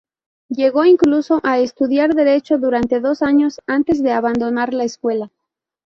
Llegó incluso a estudiar derecho durante dos años antes de abandonar la escuela.